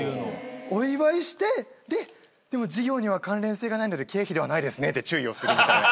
お祝いして「でも事業には関連性がないので経費ではないですね」って注意をするみたいな。